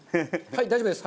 大丈夫です。